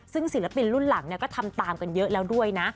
ซึ่งศิลปินรุ่นหลังก็ทำตามกันเยอะแล้วด้วยนะ